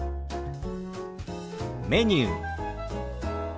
「メニュー」。